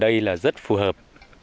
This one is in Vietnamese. đây là rất phù hợp